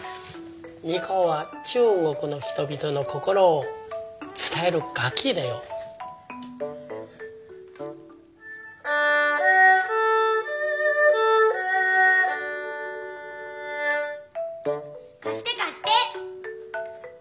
二胡は中国の人々の心をつたえる楽きだよ。かしてかして。